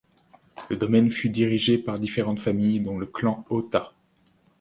Le domaine fut dirigé par différentes familles, dont le clan Hotta.